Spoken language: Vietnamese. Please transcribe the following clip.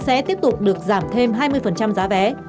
sẽ tiếp tục được giảm thêm hai mươi giá vé